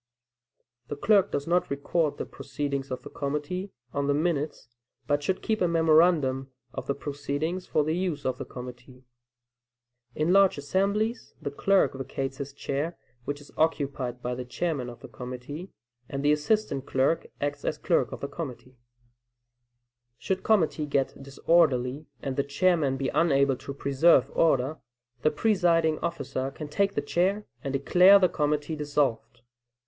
The clerk does not record the proceedings of the committee on the minutes, but should keep a memorandum of the proceedings for the use of the committee. In large assemblies the clerk vacates his chair, which is occupied by the chairman of the committee, and the assistant clerk acts as clerk of the committee. Should the committee get disorderly, and the chairman be unable to preserve order, the presiding officer can take the chair, and declare the committee dissolved.